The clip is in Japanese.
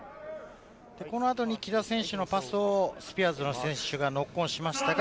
この後に木田選手のパスをスピアーズの選手がノックオンしました。